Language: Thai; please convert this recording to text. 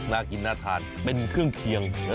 น่ากินน่าทานเป็นเครื่องเคียง